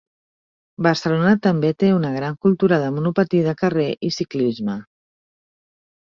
Barcelona també té una gran cultura de monopatí de carrer i ciclisme.